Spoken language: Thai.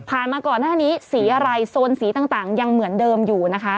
มาก่อนหน้านี้สีอะไรโซนสีต่างยังเหมือนเดิมอยู่นะคะ